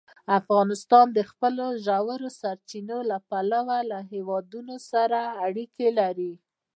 افغانستان د خپلو ژورو سرچینو له پلوه له هېوادونو سره اړیکې لري.